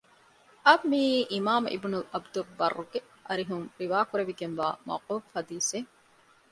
އަށް މިއީ އިމާމު އިބްނު ޢަބްދުލްބައްރުގެ އަރިހުން ރިވާކުރެވިގެންވާ މައުޤޫފު ޙަދީޘެއް